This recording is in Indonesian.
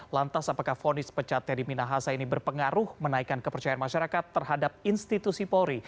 lantas apakah fonis pecat teddy minahasa ini berpengaruh menaikkan kepercayaan masyarakat terhadap institusi polri